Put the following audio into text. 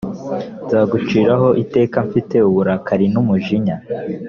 nzaguciraho iteka mfite uburakari n’umujinya